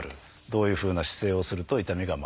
どういうふうな姿勢をすると痛みが増す。